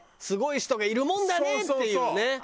すごい人がいるもんだねっていうね。